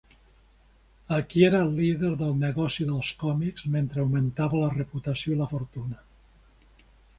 Aquí era el líder del negoci dels còmics, mentre augmentava la reputació i la fortuna.